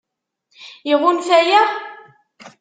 Iɣunfa-aɣ?